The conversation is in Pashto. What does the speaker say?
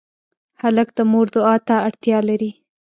هلک د مور دعا ته اړتیا لري.